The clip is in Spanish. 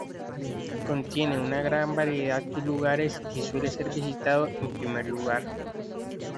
Contiene una gran variedad de lugares y suele ser visitado en primer lugar.